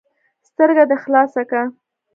ـ سترګه دې خلاصه که.